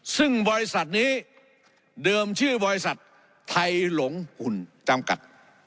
ซึ่งบริษัทนี้เดิมชื่อบริษัทไทยหลงหุ่นจำกัด